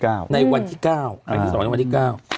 ในวันที่๙วันที่๒ในวันที่๙